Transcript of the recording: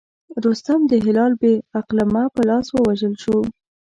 رستم د هلال بن علقمه په لاس ووژل شو.